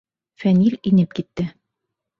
Фәнил инеп китте.